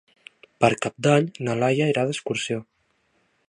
Per Cap d'Any na Laia irà d'excursió.